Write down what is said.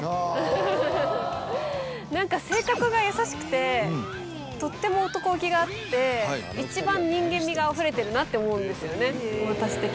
何か性格が優しくてとってもおとこ気があって一番人間味があふれてるなって思うんですよね